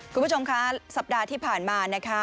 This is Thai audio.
คุณผู้ชมคะสัปดาห์ที่ผ่านมานะคะ